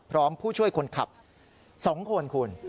ผู้ช่วยคนขับ๒คนคุณ